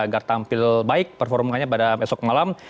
agar tampil baik performanya pada esok malam